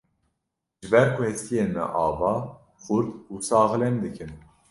Ji ber ku hestiyên me ava, xurt û saxlem dikin.